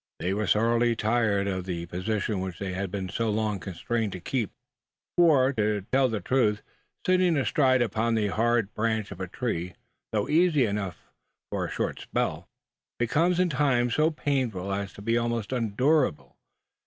They were sorely tired of the positions which they had been so long constrained to keep; for, to tell the truth, sitting astride upon the hard branch of a tree, though easy enough for a short spell, becomes in time so painful as to be almost unendurable.